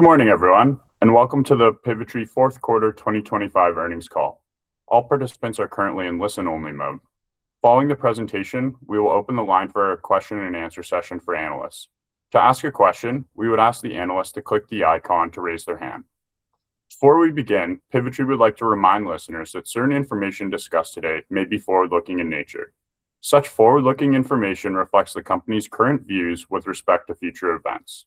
Good morning, everyone, and welcome to the Pivotree Fourth Quarter 2025 Earnings Call. All participants are currently in listen-only mode. Following the presentation, we will open the line for a question and answer session for analysts. To ask a question, we would ask the analyst to click the icon to raise their hand. Before we begin, Pivotree would like to remind listeners that certain information discussed today may be forward-looking in nature. Such forward-looking information reflects the company's current views with respect to future events.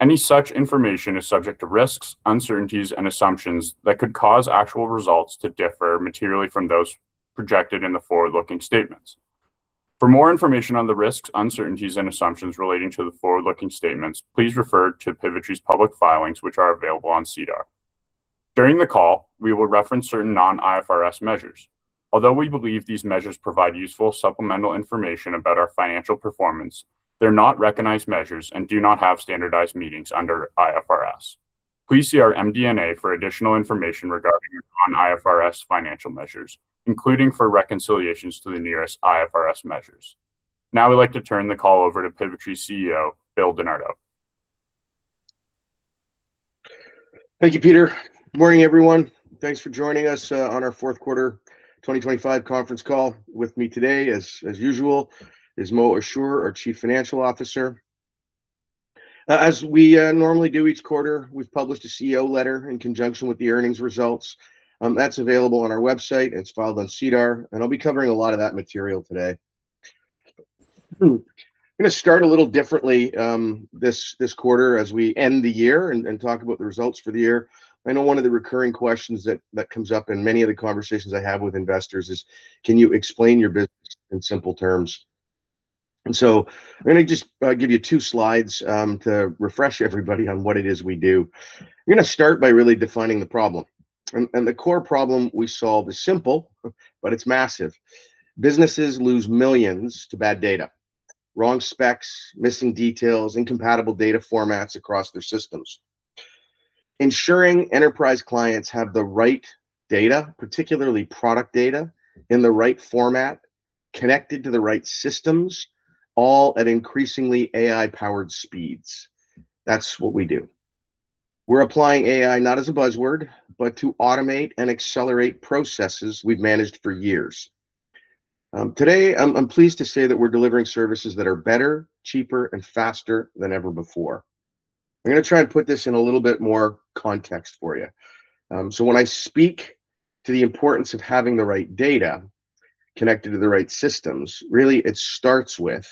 Any such information is subject to risks, uncertainties, and assumptions that could cause actual results to differ materially from those projected in the forward-looking statements. For more information on the risks, uncertainties, and assumptions relating to the forward-looking statements, please refer to Pivotree's public filings, which are available on SEDAR. During the call, we will reference certain non-IFRS measures. Although we believe these measures provide useful supplemental information about our financial performance, they're not recognized measures and do not have standardized meanings under IFRS. Please see our MD&A for additional information regarding our non-IFRS financial measures, including for reconciliations to the nearest IFRS measures. Now I'd like to turn the call over to Pivotree CEO, Bill Di Nardo. Thank you, Peter. Morning, everyone. Thanks for joining us on our fourth quarter 2025 conference call. With me today, as usual, is Moataz Ashoor, our Chief Financial Officer. As we normally do each quarter, we've published a CEO letter in conjunction with the earnings results. That's available on our website, it's filed on SEDAR, and I'll be covering a lot of that material today. I'm going to start a little differently, this quarter as we end the year and talk about the results for the year. I know one of the recurring questions that comes up in many of the conversations I have with investors is, "Can you explain your business in simple terms?" I'm going to just give you two slides to refresh everybody on what it is we do. We're going to start by really defining the problem. The core problem we solve is simple, but it's massive. Businesses lose millions to bad data. Wrong specs, missing details, incompatible data formats across their systems. Ensuring enterprise clients have the right data, particularly product data, in the right format, connected to the right systems, all at increasingly AI-powered speeds. That's what we do. We're applying AI not as a buzzword, but to automate and accelerate processes we've managed for years. Today I'm pleased to say that we're delivering services that are better, cheaper, and faster than ever before. I'm going to try and put this in a little bit more context for you. When I speak to the importance of having the right data connected to the right systems, really it starts with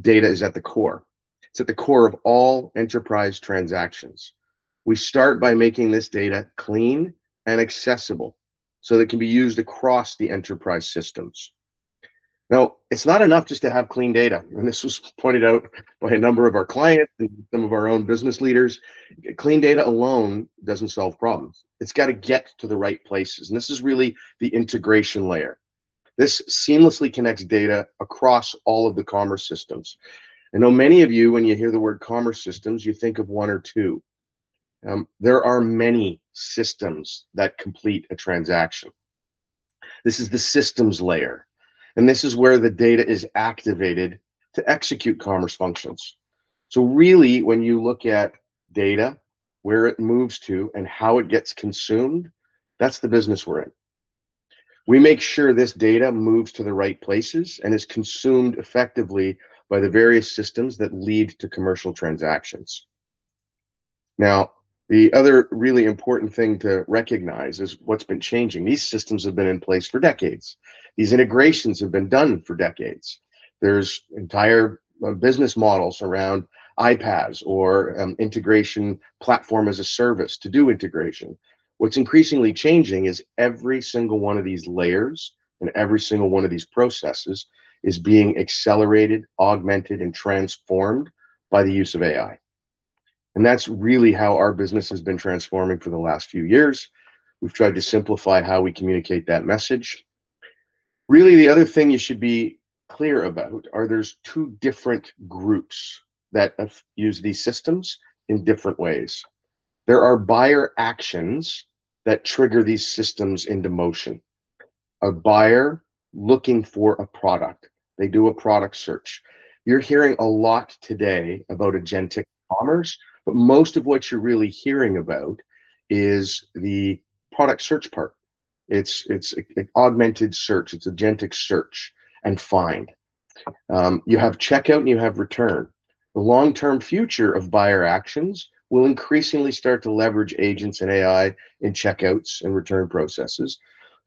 data is at the core. It's at the core of all enterprise transactions. We start by making this data clean and accessible, so that it can be used across the enterprise systems. Now, it's not enough just to have clean data, and this was pointed out by a number of our clients and some of our own business leaders. Clean data alone doesn't solve problems. It's got to get to the right places, and this is really the integration layer. This seamlessly connects data across all of the commerce systems. I know many of you, when you hear the word commerce systems, you think of one or two. There are many systems that complete a transaction. This is the systems layer, and this is where the data is activated to execute commerce functions. Really, when you look at data, where it moves to, and how it gets consumed, that's the business we're in. We make sure this data moves to the right places and is consumed effectively by the various systems that lead to commercial transactions. Now, the other really important thing to recognize is what's been changing. These systems have been in place for decades. These integrations have been done for decades. There's entire business models around iPaaS or, integration platform as a service to do integration. What's increasingly changing is every single one of these layers and every single one of these processes is being accelerated, augmented, and transformed by the use of AI. That's really how our business has been transforming for the last few years. We've tried to simplify how we communicate that message. Really, the other thing you should be clear about are there's two different groups that use these systems in different ways. There are buyer actions that trigger these systems into motion. A buyer looking for a product, they do a product search. You're hearing a lot today about agentic commerce, but most of what you're really hearing about is the product search part. It's an augmented search. It's agentic search and find. You have checkout and you have return. The long-term future of buyer actions will increasingly start to leverage agents and AI in checkouts and return processes.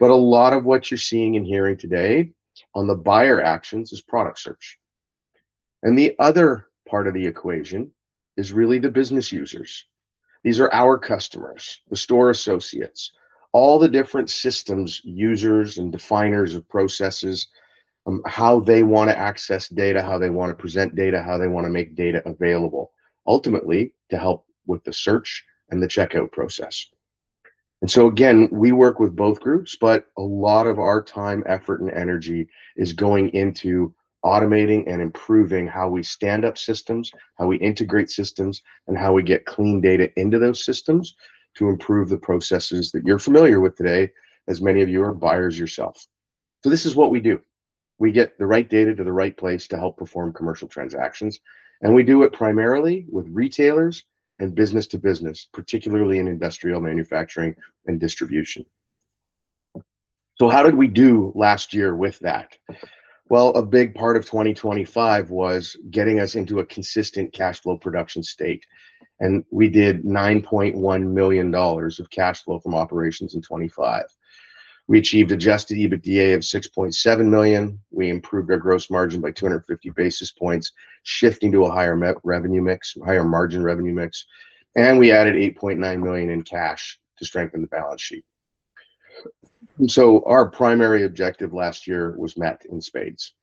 A lot of what you're seeing and hearing today on the buyer actions is product search. The other part of the equation is really the business users. These are our customers, the store associates, all the different systems users and definers of processes, how they want to access data, how they want to present data, how they want to make data available, ultimately to help with the search and the checkout process. Again, we work with both groups, but a lot of our time, effort, and energy is going into automating and improving how we stand up systems, how we integrate systems, and how we get clean data into those systems to improve the processes that you're familiar with today, as many of you are buyers yourselves. This is what we do. We get the right data to the right place to help perform commercial transactions, and we do it primarily with retailers and business to business, particularly in industrial manufacturing and distribution. How did we do last year with that? Well, a big part of 2025 was getting us into a consistent cash flow production state, and we did 9.1 million dollars of cash flow from operations in 2025. We achieved adjusted EBITDA of 6.7 million. We improved our gross margin by 250 basis points, shifting to a higher revenue mix, higher margin revenue mix, and we added 8.9 million in cash to strengthen the balance sheet. Our primary objective last year was met in spades.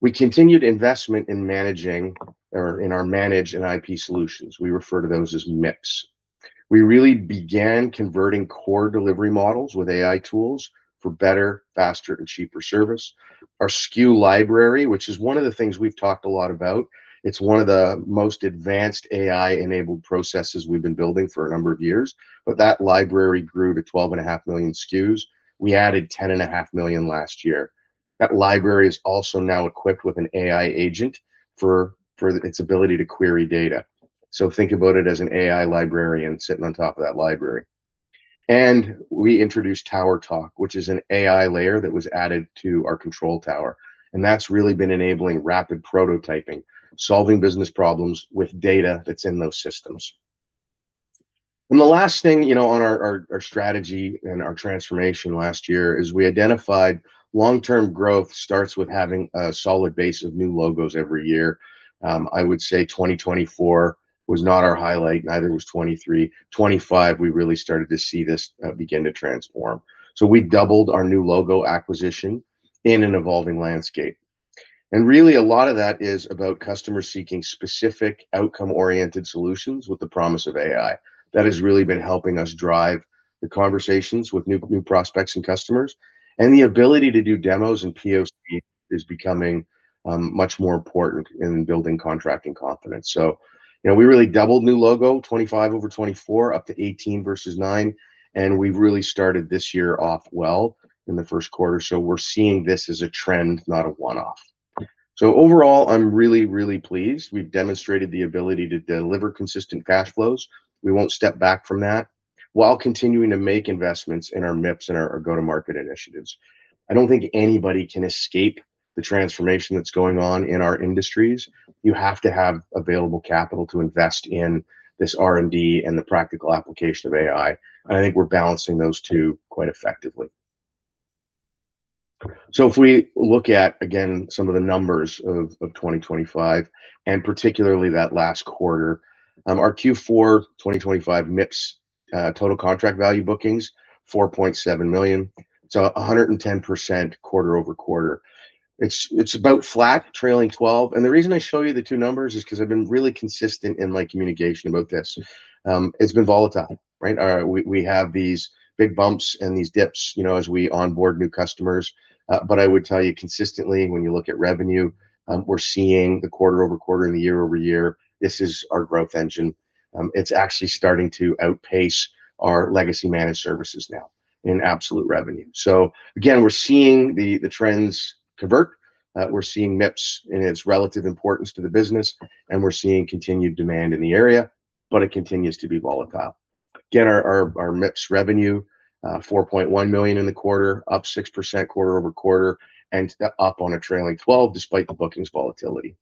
We continued investment in managing or in our managed and IP solutions. We refer to those as MIPS. We really began converting core delivery models with AI tools for better, faster, and cheaper service. Our SKU library, which is one of the things we've talked a lot about, it's one of the most advanced AI-enabled processes we've been building for a number of years. That library grew to 12.5 million SKUs. We added 10.5 million SKUs last year. That library is also now equipped with an AI agent for its ability to query data. Think about it as an AI librarian sitting on top of that library. We introduced Tower Talk, which is an AI layer that was added to our Control Tower, and that's really been enabling rapid prototyping, solving business problems with data that's in those systems. The last thing, you know, on our strategy and our transformation last year is we identified long-term growth starts with having a solid base of new logos every year. I would say 2024 was not our highlight. Neither was 2023. 2025, we really started to see this begin to transform. We doubled our new logo acquisition in an evolving landscape. Really a lot of that is about customers seeking specific outcome-oriented solutions with the promise of AI. That has really been helping us drive the conversations with new prospects and customers, and the ability to do demos and POC is becoming much more important in building contracting confidence. You know, we really doubled new logo, 2025 over 2024, up to 18 versus nine, and we've really started this year off well in the first quarter. We're seeing this as a trend, not a one-off. Overall, I'm really pleased. We've demonstrated the ability to deliver consistent cash flows. We won't step back from that while continuing to make investments in our MIPS and our go-to-market initiatives. I don't think anybody can escape the transformation that's going on in our industries. You have to have available capital to invest in this R&D and the practical application of AI. I think we're balancing those two quite effectively. If we look at, again, some of the numbers of 2025, and particularly that last quarter, our Q4 2025 MIPS total contract value bookings, 4.7 million, so 110% quarter-over-quarter. It's about flat trailing twelve. The reason I show you the two numbers is because I've been really consistent in my communication about this. It's been volatile, right? We have these big bumps and these dips, you know, as we onboard new customers. But I would tell you consistently when you look at revenue, we're seeing the quarter-over-quarter and the year-over-year, this is our growth engine. It's actually starting to outpace our legacy managed services now in absolute revenue. We're seeing the trends convert. We're seeing MIPS in its relative importance to the business, and we're seeing continued demand in the area, but it continues to be volatile. Again, our MIPS revenue 4.1 million in the quarter, up 6% quarter-over-quarter, and up on a trailing twelve despite the bookings volatility.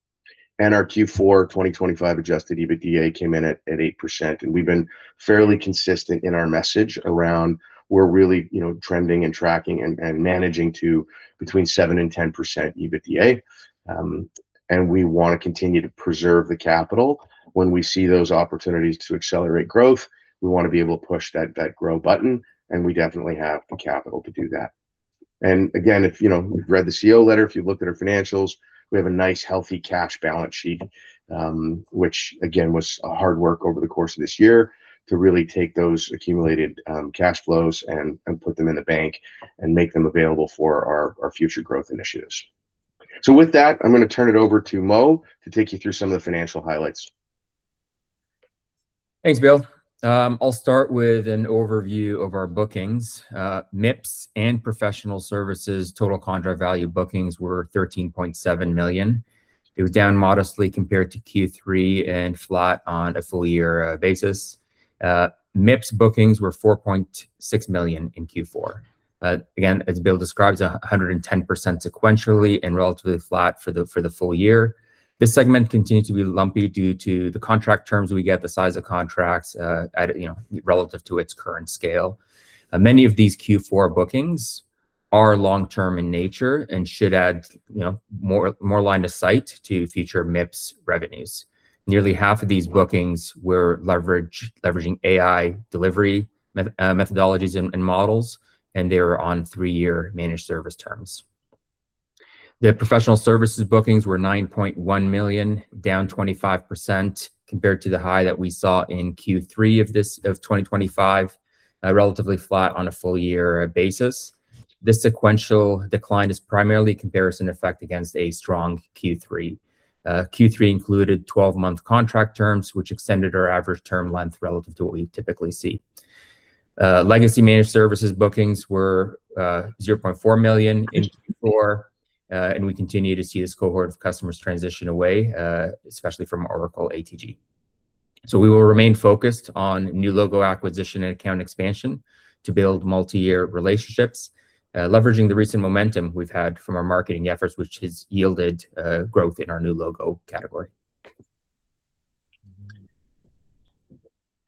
Our Q4 2025 adjusted EBITDA came in at 8%. We've been fairly consistent in our message around we're really, you know, trending and tracking and managing to between 7% and 10% EBITDA. We want to continue to preserve the capital. When we see those opportunities to accelerate growth, we want to be able to push that grow button, and we definitely have the capital to do that. Again, if, you know, you've read the CEO letter, if you've looked at our financials, we have a nice healthy cash balance sheet, which again, was hard work over the course of this year to really take those accumulated cash flows and put them in the bank and make them available for our future growth initiatives. With that, I'm going to turn it over to Mo to take you through some of the financial highlights. Thanks, Bill. I'll start with an overview of our bookings. MIPS and professional services total contract value bookings were 13.7 million. It was down modestly compared to Q3 and flat on a full year basis. MIPS bookings were 4.6 million in Q4. Again, as Bill described, 110% sequentially and relatively flat for the full year. This segment continued to be lumpy due to the contract terms we get, the size of contracts, you know, relative to its current scale. Many of these Q4 bookings are long-term in nature and should add, you know, more line of sight to future MIPS revenues. Nearly half of these bookings were leveraging AI delivery methodologies and models, and they were on three-year managed service terms. The professional services bookings were 9.1 million, down 25% compared to the high that we saw in Q3 of 2025, relatively flat on a full year basis. This sequential decline is primarily comparison effect against a strong Q3. Q3 included 12-month contract terms, which extended our average term length relative to what we typically see. Legacy managed services bookings were 0.4 million in Q4, and we continue to see this cohort of customers transition away, especially from Oracle ATG. We will remain focused on new logo acquisition and account expansion to build multi-year relationships, leveraging the recent momentum we've had from our marketing efforts, which has yielded growth in our new logo category.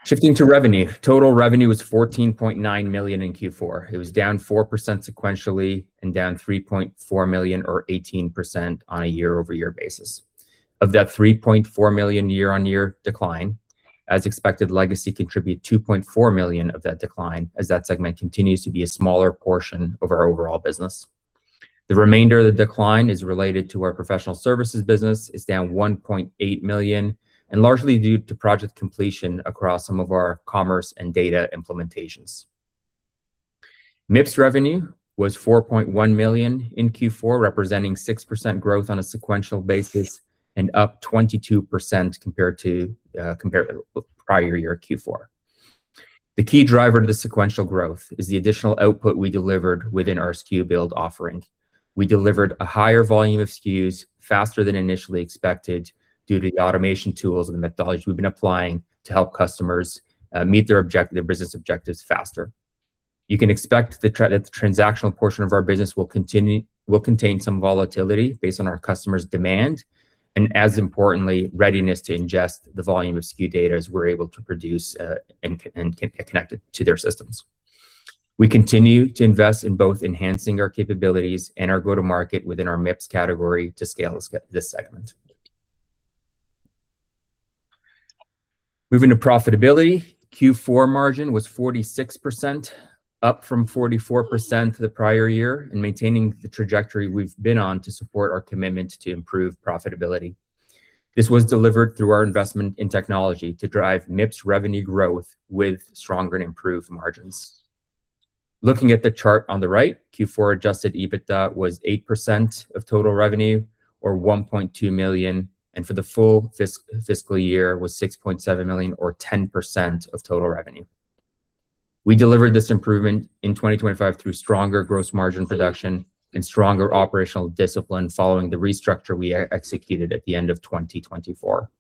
Shifting to revenue. Total revenue was 14.9 million in Q4. It was down 4% sequentially and down 3.4 million or 18% on a year-over-year basis. Of that 3.4 million year-over-year decline, as expected, Legacy contributed 2.4 million of that decline, as that segment continues to be a smaller portion of our overall business. The remainder of the decline is related to our Professional Services business. It's down 1.8 million, and largely due to project completion across some of our commerce and data implementations. MIPS revenue was 4.1 million in Q4, representing 6% growth on a sequential basis and up 22% compared with prior year Q4. The key driver to the sequential growth is the additional output we delivered within our SKU Build offering. We delivered a higher volume of SKUs faster than initially expected due to the automation tools and the methodology we've been applying to help customers meet their objective, business objectives faster. You can expect the transactional portion of our business will continue to contain some volatility based on our customers' demand, and as importantly, readiness to ingest the volume of SKU data as we're able to produce and connect it to their systems. We continue to invest in both enhancing our capabilities and our go-to-market within our MIPS category to scale this segment. Moving to profitability. Q4 margin was 46%, up from 44% the prior year and maintaining the trajectory we've been on to support our commitment to improve profitability. This was delivered through our investment in technology to drive MIPS revenue growth with stronger and improved margins. Looking at the chart on the right, Q4 adjusted EBITDA was 8% of total revenue or 1.2 million, and for the full fiscal year was 6.7 million or 10% of total revenue. We delivered this improvement in 2025 through stronger gross margin expansion and stronger operational discipline following the restructure we executed at the end of 2024.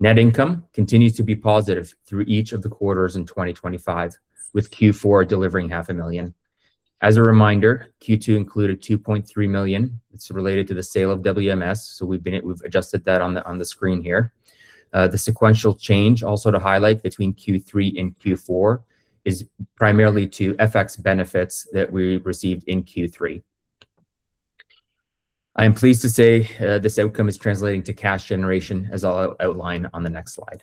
Net income continues to be positive through each of the quarters in 2025, with Q4 delivering CAD half a million. As a reminder, Q2 included 2.3 million. It's related to the sale of WMS, so we've adjusted that on the screen here. The sequential change also to highlight between Q3 and Q4 is primarily due to FX benefits that we received in Q3. I am pleased to say, this outcome is translating to cash generation as I'll outline on the next slide.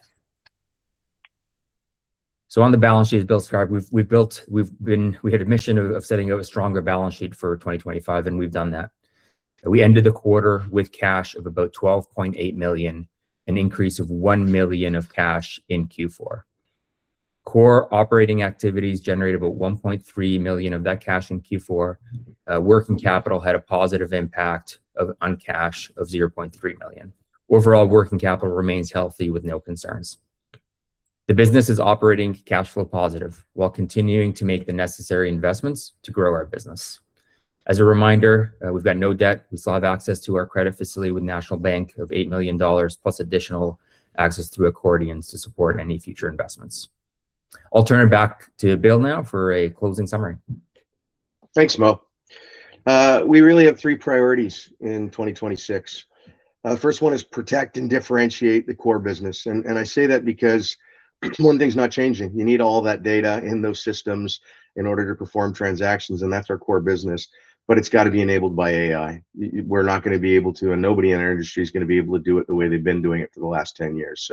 On the balance sheet, Bill Di Nardo, we had a mission of setting a stronger balance sheet for 2025, and we've done that. We ended the quarter with cash of about 12.8 million, an increase of 1 million of cash in Q4. Core operating activities generated about 1.3 million of that cash in Q4. Working capital had a positive impact on cash of 0.3 million. Overall, working capital remains healthy with no concerns. The business is operating cash flow positive while continuing to make the necessary investments to grow our business. As a reminder, we've got no debt. We still have access to our credit facility with National Bank of Canada 8 million dollars, plus additional access through accordions to support any future investments. I'll turn it back to Bill now for a closing summary. Thanks, Mo. We really have three priorities in 2026. The first one is protect and differentiate the core business. I say that because one thing's not changing. You need all that data in those systems in order to perform transactions, and that's our core business, but it's got to be enabled by AI. We're not going to be able to, and nobody in our industry is going to be able to do it the way they've been doing it for the last 10 years.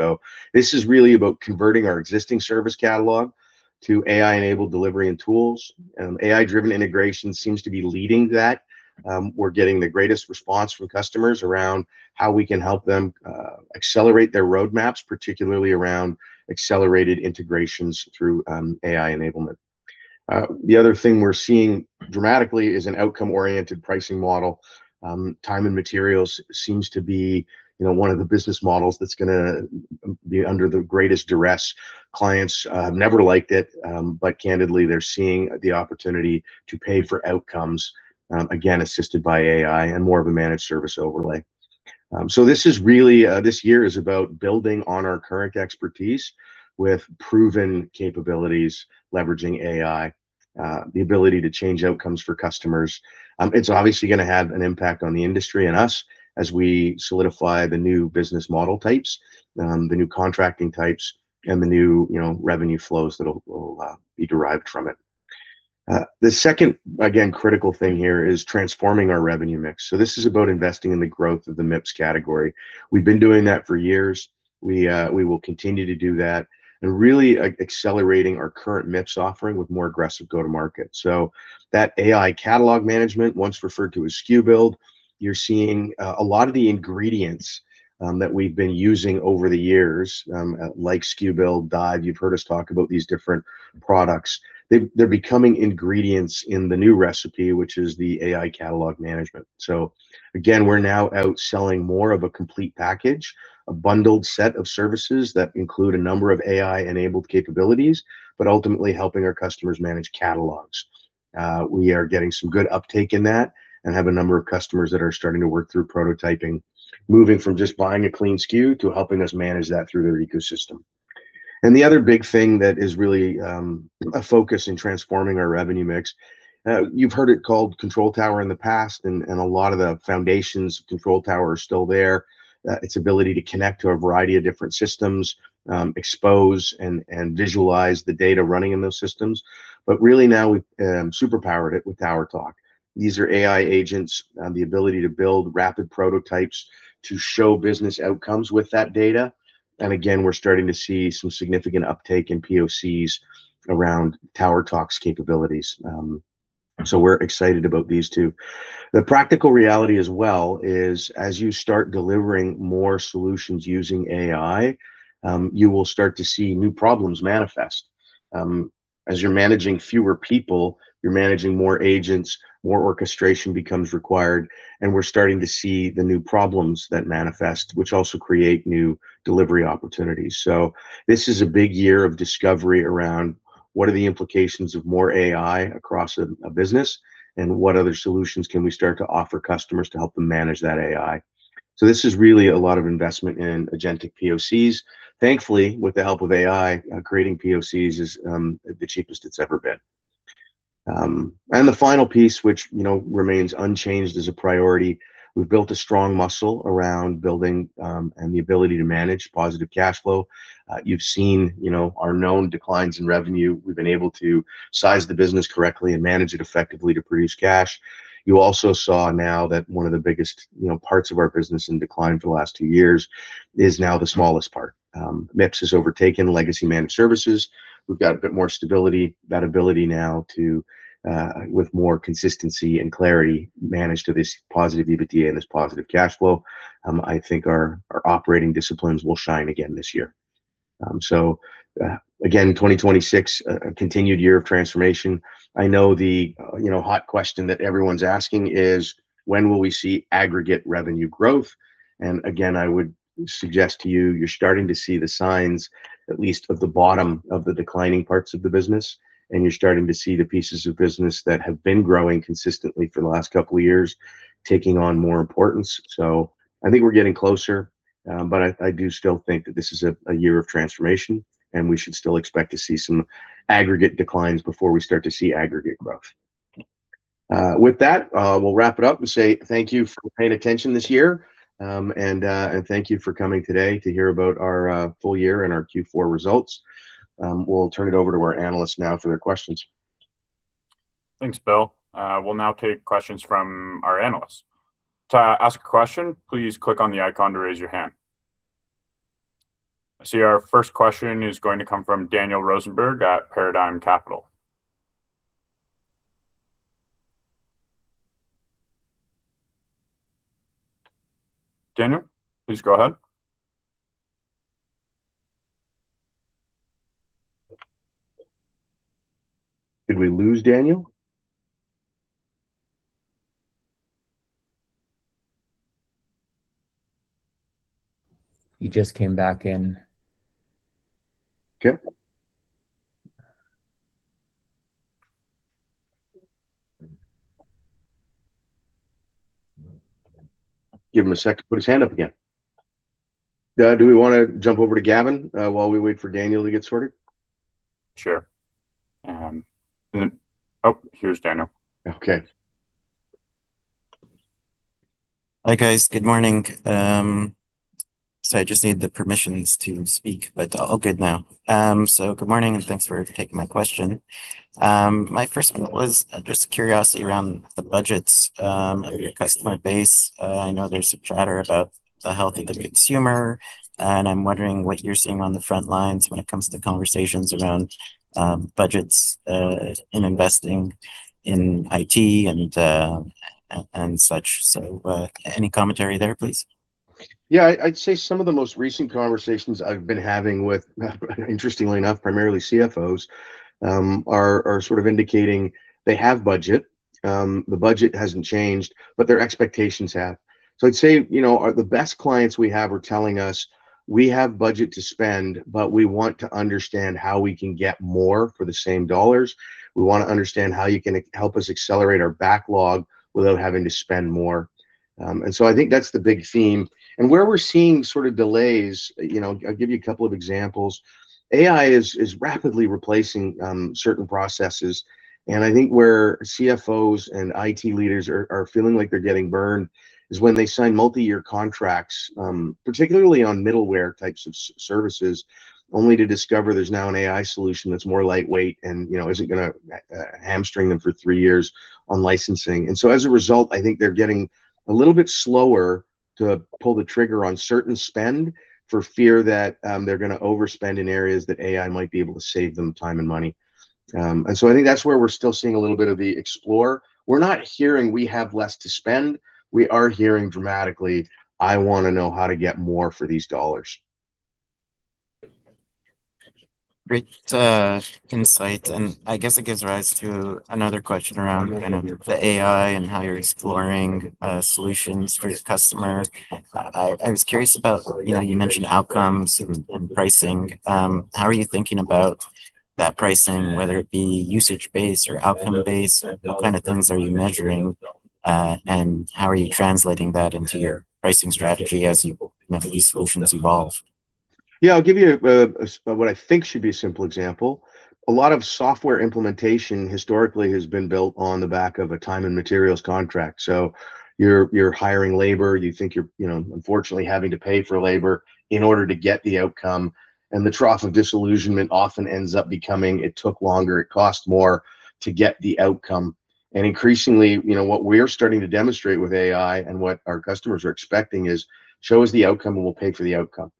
This is really about converting our existing service catalog to AI-enabled delivery and tools. AI-driven integration seems to be leading that. We're getting the greatest response from customers around how we can help them accelerate their roadmaps, particularly around accelerated integrations through AI enablement. The other thing we're seeing dramatically is an outcome-oriented pricing model. Time and materials seems to be, you know, one of the business models that's going to be under the greatest duress. Clients never liked it, but candidly, they're seeing the opportunity to pay for outcomes, again, assisted by AI and more of a managed service overlay. This is really this year is about building on our current expertise with proven capabilities, leveraging AI, the ability to change outcomes for customers. It's obviously going to have an impact on the industry and us as we solidify the new business model types, the new contracting types, and the new, you know, revenue flows that'll be derived from it. The second, again, critical thing here is transforming our revenue mix. This is about investing in the growth of the MIPS category. We've been doing that for years. We will continue to do that and really accelerating our current MIPS offering with more aggressive go-to-market. That AI catalog management, once referred to as SKU Build, you're seeing a lot of the ingredients that we've been using over the years, like SKU Build, DIVE, you've heard us talk about these different products. They're becoming ingredients in the new recipe, which is the AI catalog management. We're now outselling more of a complete package, a bundled set of services that include a number of AI-enabled capabilities, but ultimately helping our customers manage catalogs. We are getting some good uptake in that and have a number of customers that are starting to work through prototyping, moving from just buying a clean SKU to helping us manage that through their ecosystem. The other big thing that is really a focus in transforming our revenue mix. You've heard it called Control Tower in the past and a lot of the foundations of Control Tower are still there, its ability to connect to a variety of different systems, expose and visualize the data running in those systems. Really now we've super powered it with Tower Talk. These are AI agents, the ability to build rapid prototypes to show business outcomes with that data, and again, we're starting to see some significant uptake in POCs around Tower Talk's capabilities. We're excited about these two. The practical reality as well is as you start delivering more solutions using AI, you will start to see new problems manifest. As you're managing fewer people, you're managing more agents, more orchestration becomes required, and we're starting to see the new problems that manifest, which also create new delivery opportunities. This is a big year of discovery around what are the implications of more AI across a business, and what other solutions can we start to offer customers to help them manage that AI. This is really a lot of investment in agentic POCs. Thankfully, with the help of AI, creating POCs is the cheapest it's ever been. The final piece which, you know, remains unchanged as a priority, we've built a strong muscle around building, and the ability to manage positive cash flow. You've seen, you know, our known declines in revenue. We've been able to size the business correctly and manage it effectively to produce cash. You also saw now that one of the biggest, you know, parts of our business in decline for the last two years is now the smallest part. MIPS has overtaken legacy managed services. We've got a bit more stability, that ability now to with more consistency and clarity, manage to this positive EBITDA and this positive cash flow. I think our operating disciplines will shine again this year. Again, 2026, a continued year of transformation. I know the, you know, hot question that everyone's asking is when will we see aggregate revenue growth? Again, I would suggest to you you're starting to see the signs at least of the bottom of the declining parts of the business, and you're starting to see the pieces of business that have been growing consistently for the last couple of years taking on more importance. I think we're getting closer, but I do still think that this is a year of transformation, and we should still expect to see some aggregate declines before we start to see aggregate growth. With that, we'll wrap it up and say thank you for paying attention this year, and thank you for coming today to hear about our full year and our Q4 results. We'll turn it over to our analysts now for their questions. Thanks, Bill. We'll now take questions from our analysts. To ask a question, please click on the icon to raise your hand. I see our first question is going to come from Daniel Rosenberg at Paradigm Capital. Daniel, please go ahead. Did we lose Daniel? He just came back in. Okay. Give him a sec to put his hand up again. Do we want to jump over to Gavin while we wait for Daniel to get sorted? Sure. Oh, here's Daniel. Okay. Hi, guys. Good morning. Sorry, just need the permissions to speak, but all good now. Good morning, and thanks for taking my question. My first one was just curiosity around the budgets of your customer base. I know there's some chatter about the health of the consumer, and I'm wondering what you're seeing on the front lines when it comes to conversations around budgets in investing in IT and such. Any commentary there, please? Yeah, I'd say some of the most recent conversations I've been having with, interestingly enough, primarily CFOs, are sort of indicating they have budget, the budget hasn't changed, but their expectations have. I'd say, you know, the best clients we have are telling us, "We have budget to spend, but we want to understand how we can get more for the same dollars. We want to understand how you can help us accelerate our backlog without having to spend more." I think that's the big theme. Where we're seeing sort of delays, you know, I'll give you a couple of examples. AI is rapidly replacing certain processes, and I think where CFOs and IT leaders are feeling like they're getting burned is when they sign multi-year contracts, particularly on middleware types of services, only to discover there's now an AI solution that's more lightweight and, you know, isn't going to hamstring them for three years on licensing. As a result, I think they're getting a little bit slower to pull the trigger on certain spend for fear that they're going to overspend in areas that AI might be able to save them time and money. I think that's where we're still seeing a little bit of the explore. We're not hearing we have less to spend. We are hearing dramatically, "I want to know how to get more for these dollars. Great insight. I guess it gives rise to another question around kind of the AI and how you're exploring solutions for your customers. I was curious about, you know, you mentioned outcomes and pricing. How are you thinking about that pricing, whether it be usage-based or outcome-based? What kind of things are you measuring and how are you translating that into your pricing strategy as you know, these solutions evolve? Yeah. I'll give you a what I think should be a simple example. A lot of software implementation historically has been built on the back of a time and materials contract. You're hiring labor, you think you're, you know, unfortunately having to pay for labor in order to get the outcome, and the trough of disillusionment often ends up becoming it took longer, it cost more to get the outcome. Increasingly, you know what we are starting to demonstrate with AI and what our customers are expecting is, show us the outcome and we'll pay for the outcome.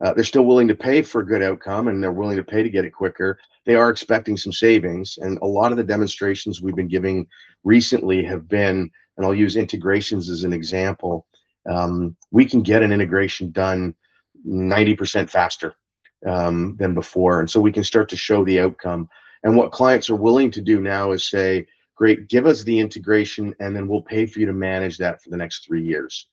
They're still willing to pay for good outcome and they're willing to pay to get it quicker. They are expecting some savings, and a lot of the demonstrations we've been giving recently have been. I'll use integrations as an example. We can get an integration done 90% faster than before, and so we can start to show the outcome. What clients are willing to do now is say, "Great. Give us the integration, and then we'll pay for you to manage that for the next three years."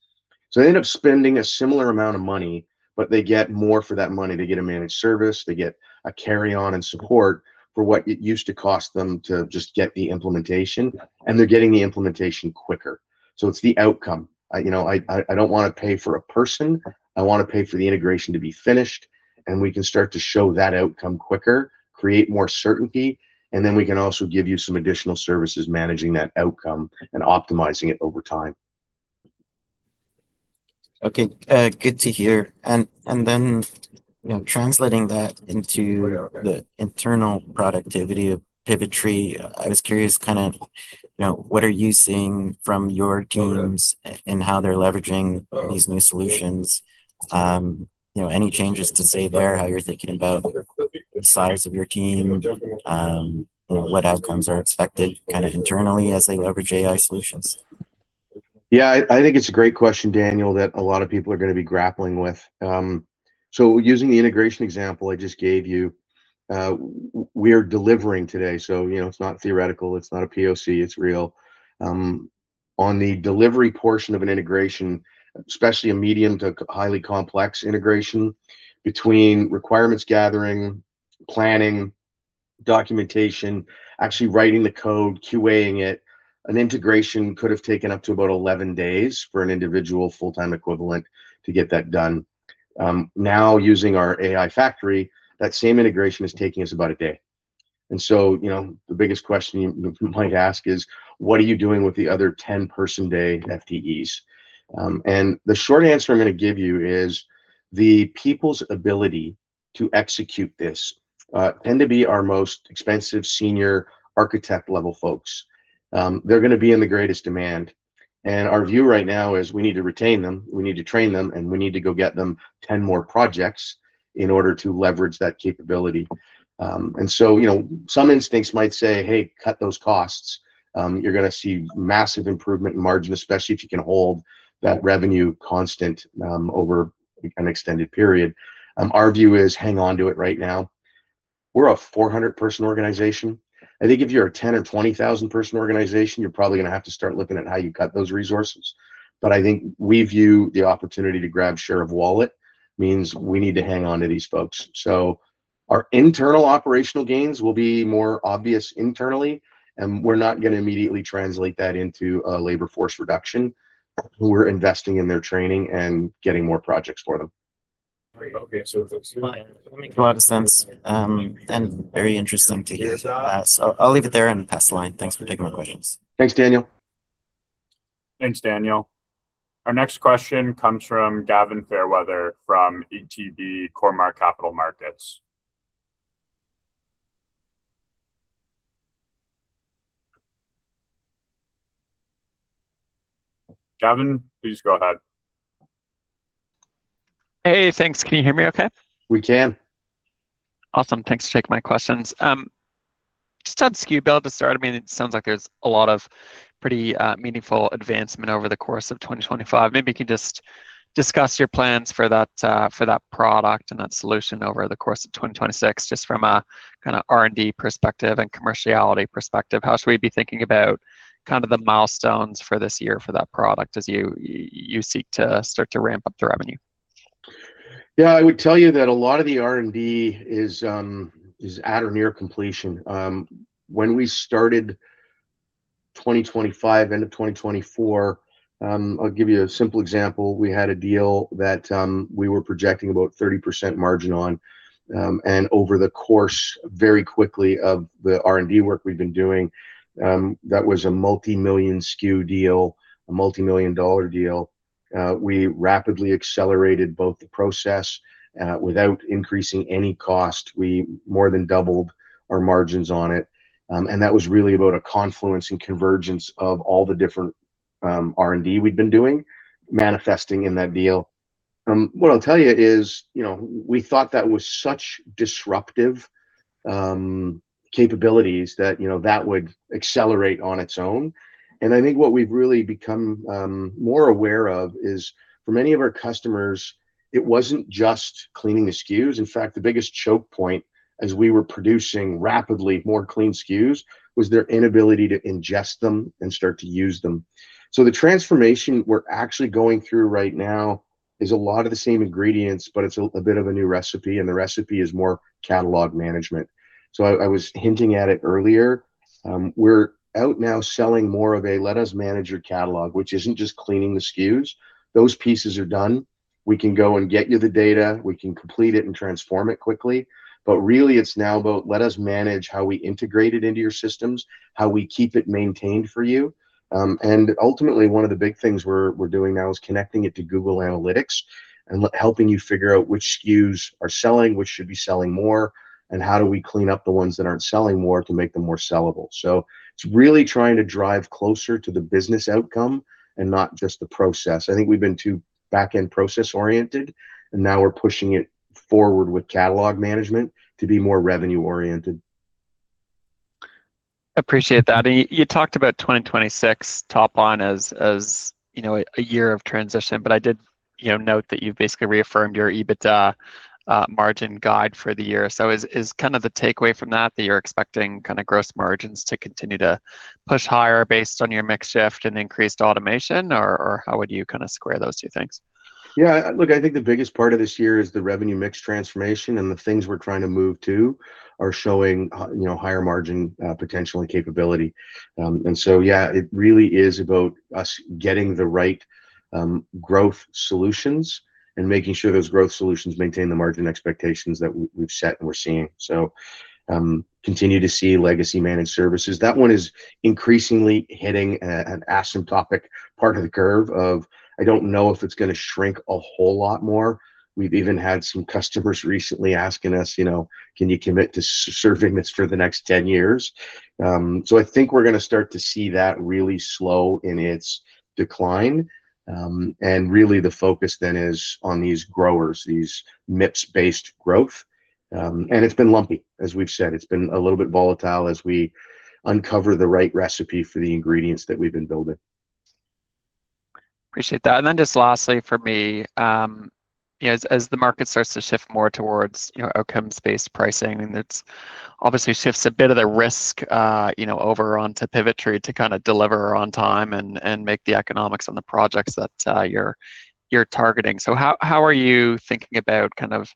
They end up spending a similar amount of money, but they get more for that money. They get a managed service, they get a carry-on and support for what it used to cost them to just get the implementation, and they're getting the implementation quicker. It's the outcome. I, you know. I don't want to pay for a person. I want to pay for the integration to be finished, and we can start to show that outcome quicker, create more certainty, and then we can also give you some additional services managing that outcome and optimizing it over time. Okay. Good to hear. You know, translating that into the internal productivity of Pivotree, I was curious kind of, you know, what are you seeing from your teams and how they're leveraging these new solutions? You know, any changes to say there how you're thinking about the size of your team? What outcomes are expected kind of internally as they leverage AI solutions? Yeah. I think it's a great question, Daniel, that a lot of people are going to be grappling with. Using the integration example I just gave you, we're delivering today, so, you know, it's not theoretical, it's not a POC, it's real. On the delivery portion of an integration, especially a medium to highly complex integration between requirements gathering, planning, documentation, actually writing the code, QA-ing it, an integration could have taken up to about 11 days for an individual full-time equivalent to get that done. Now using our AI factory, that same integration is taking us about a day. You know, the biggest question you might ask is, "What are you doing with the other 10 person-day FTEs?" The short answer I'm going to give you is, the people's ability to execute this tend to be our most expensive senior architect level folks. They're going to be in the greatest demand, and our view right now is we need to retain them, we need to train them, and we need to go get them 10 more projects in order to leverage that capability. You know, some instincts might say, "Hey, cut those costs. You're going to see massive improvement in margin, especially if you can hold that revenue constant over an extended period." Our view is hang on to it right now. We're a 400-person organization. I think if you're a 10,000- or 20,000-person organization, you're probably going to have to start looking at how you cut those resources. I think we view the opportunity to grab share of wallet means we need to hang on to these folks. Our internal operational gains will be more obvious internally, and we're not going to immediately translate that into a labor force reduction. We're investing in their training and getting more projects for them. A lot of sense, and very interesting to hear as well. I'll leave it there and pass the line. Thanks for taking my questions. Thanks, Daniel. Thanks, Daniel. Our next question comes from Gavin Fairweather from ATB Cormark Capital Markets. Gavin, please go ahead. Hey, thanks. Can you hear me okay? We can. Awesome. Thanks for taking my questions. Just on SKU Build to start, I mean, it sounds like there's a lot of pretty meaningful advancement over the course of 2025. Maybe you can just discuss your plans for that for that product and that solution over the course of 2026, just from a kind of R&D perspective and commerciality perspective. How should we be thinking about kind of the milestones for this year for that product as you seek to start to ramp up the revenue? Yeah. I would tell you that a lot of the R&D is at or near completion. When we started 2025, end of 2024, I'll give you a simple example. We had a deal that we were projecting about 30% margin on, and over the course, very quickly of the R&D work we've been doing, that was a multimillion SKU deal, a multimillion-dollar deal. We rapidly accelerated both the process without increasing any cost, we more than doubled our margins on it. That was really about a confluence and convergence of all the different R&D we'd been doing manifesting in that deal. What I'll tell you is, you know, we thought that was such disruptive capabilities that, you know, that would accelerate on its own. I think what we've really become more aware of is for many of our customers, it wasn't just cleaning the SKUs. In fact, the biggest choke point as we were producing rapidly more clean SKUs was their inability to ingest them and start to use them. The transformation we're actually going through right now is a lot of the same ingredients, but it's a bit of a new recipe, and the recipe is more catalog management. I was hinting at it earlier. We're out now selling more of a let us manage your catalog, which isn't just cleaning the SKUs. Those pieces are done. We can go and get you the data. We can complete it and transform it quickly. But really it's now about let us manage how we integrate it into your systems, how we keep it maintained for you. Ultimately, one of the big things we're doing now is connecting it to Google Analytics and helping you figure out which SKUs are selling, which should be selling more, and how do we clean up the ones that aren't selling more to make them more sellable. It's really trying to drive closer to the business outcome and not just the process. I think we've been too back-end process oriented, and now we're pushing it forward with catalog management to be more revenue oriented. Appreciate that. You talked about 2026 topline as, you know, a year of transition, but I did, you know, note that you've basically reaffirmed your EBITDA margin guide for the year. Is kind of the takeaway from that that you're expecting kind of gross margins to continue to push higher based on your mix shift and increased automation? How would you kind of square those two things? Yeah. Look, I think the biggest part of this year is the revenue mix transformation and the things we're trying to move to are showing, you know, higher margin potential and capability. Yeah, it really is about us getting the right growth solutions and making sure those growth solutions maintain the margin expectations that we've set and we're seeing. We continue to see legacy managed services. That one is increasingly hitting an asymptotic part of the curve. I don't know if it's going to shrink a whole lot more. We've even had some customers recently asking us, you know, "Can you commit to serving this for the next 10 years?" I think we're going to start to see that really slow in its decline. Really the focus then is on these growers, these MIPS-based growth. It's been lumpy, as we've said. It's been a little bit volatile as we uncover the right recipe for the ingredients that we've been building. Appreciate that. Then just lastly for me, you know, as the market starts to shift more towards, you know, outcomes-based pricing, and it's obviously shifts a bit of the risk, you know, over onto Pivotree to kind of deliver on time and make the economics on the projects that you're targeting. How are you thinking about kind of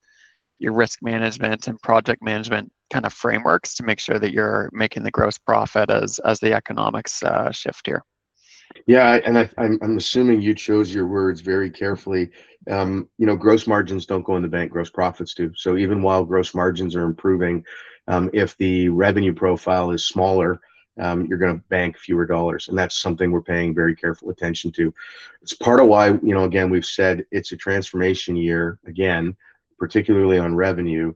your risk management and project management kind of frameworks to make sure that you're making the gross profit as the economics shift here? Yeah. I'm assuming you chose your words very carefully. You know, gross margins don't go in the bank. Gross profits do. Even while gross margins are improving, if the revenue profile is smaller, you're going to bank fewer dollars, and that's something we're paying very careful attention to. It's part of why, you know, again, we've said it's a transformation year, again, particularly on revenue.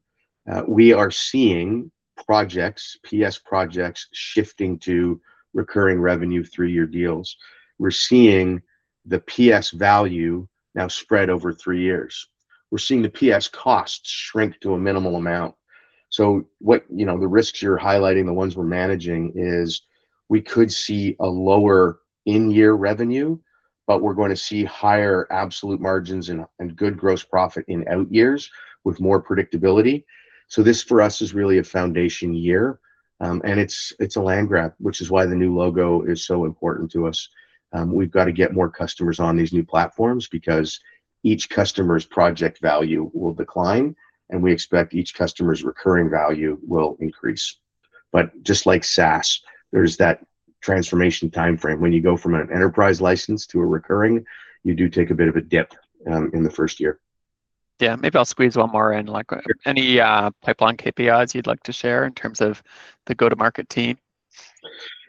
We are seeing projects, PS projects shifting to recurring revenue three-year deals. We're seeing the PS value now spread over three years. We're seeing the PS costs shrink to a minimal amount. You know, the risks you're highlighting, the ones we're managing is we could see a lower in-year revenue, but we're going to see higher absolute margins and good gross profit in out years with more predictability. This year for us is really a foundation year. It's a land grab, which is why the new logo is so important to us. We've got to get more customers on these new platforms because each customer's project value will decline, and we expect each customer's recurring value will increase. Just like SaaS, there's that transformation timeframe. When you go from an enterprise license to a recurring, you do take a bit of a dip in the first year. Yeah. Maybe I'll squeeze one more in. Sure... any pipeline KPIs you'd like to share in terms of the go-to-market team?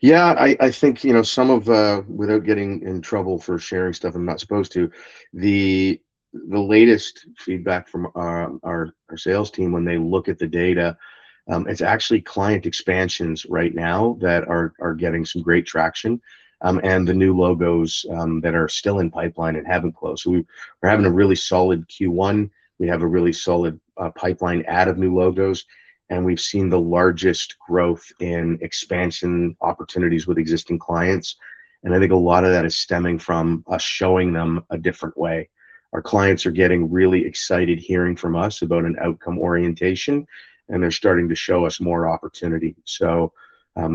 Yeah. I think, you know, some of without getting in trouble for sharing stuff I'm not supposed to, the latest feedback from our sales team when they look at the data, it's actually client expansions right now that are getting some great traction, and the new logos that are still in pipeline and haven't closed. We're having a really solid Q1. We have a really solid pipeline add of new logos, and we've seen the largest growth in expansion opportunities with existing clients, and I think a lot of that is stemming from us showing them a different way. Our clients are getting really excited hearing from us about an outcome orientation, and they're starting to show us more opportunity.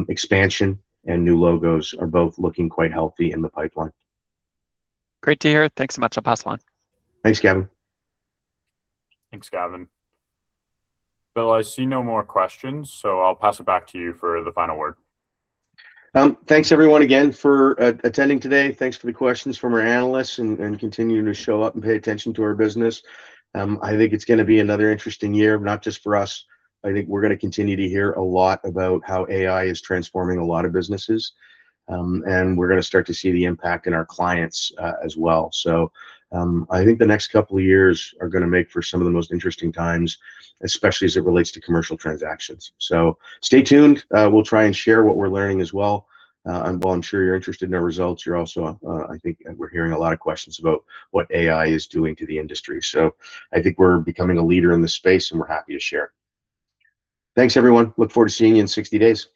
Expansion and new logos are both looking quite healthy in the pipeline. Great to hear. Thanks so much. I'll pass along. Thanks, Gavin. Thanks, Gavin. Bill, I see no more questions, so I'll pass it back to you for the final word. Thanks everyone again for attending today. Thanks for the questions from our analysts and continuing to show up and pay attention to our business. I think it's going to be another interesting year, not just for us. I think we're going to continue to hear a lot about how AI is transforming a lot of businesses. We're going to start to see the impact in our clients as well. I think the next couple of years are going to make for some of the most interesting times, especially as it relates to commercial transactions. Stay tuned. We'll try and share what we're learning as well. Bill, I'm sure you're interested in our results. You're also, I think we're hearing a lot of questions about what AI is doing to the industry. I think we're becoming a leader in this space, and we're happy to share. Thanks, everyone. I look forward to seeing you in 60 days.